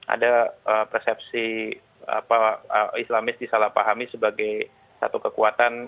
ada persepsi islamis disalahpahami sebagai satu kekuatan